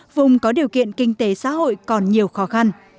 vùng có điều kiện kinh tế xã hội còn nhiều khó khăn